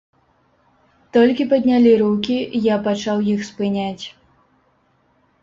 Толькі паднялі рукі, я пачаў іх спыняць.